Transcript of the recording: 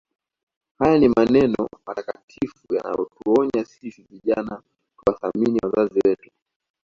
Haya ni maneno matakatifu yanayotuonya sisi vijana kuwathamini wazazi wetu